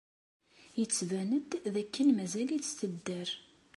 Yettban-d dakken mazal-itt tedder.